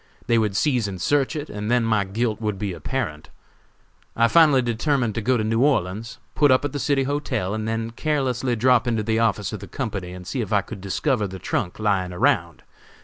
They would seize and search it, and then my guilt would be apparent. I finally determined to go to New Orleans, put up at the City Hotel, and then carelessly drop into the office of the company and see if I could discover the trunk lying around.